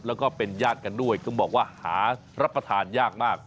แล้วก็เป็นญาติกันด้วยต้องบอกว่าหารับประทานยากมาก